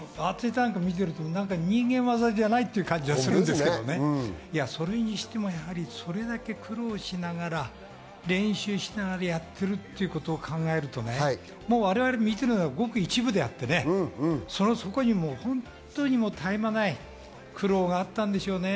なんか人間技じゃないっていう感じするんですけど、それにしてもそれだけ苦労しながら、練習しながらやってるっていうことを考えると、我々が見ているのはごく一部であって、そこには本当に絶え間ない苦労があったんでしょうね。